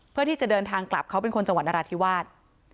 เพื่อที่จะเดินทางกลับเขาเป็นคนจังหวัดนราธิวาส